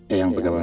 eh yang penting